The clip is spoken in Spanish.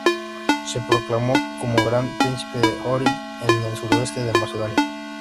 Se proclamó como Gran Príncipe de Ohrid, en el suroeste de Macedonia.